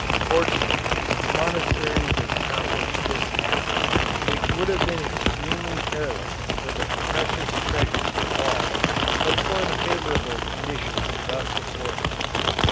Fortunately the monasteries accomplished this task, which would have been extremely perilous for the precious treasures involved but for the favorable conditions thus afforded.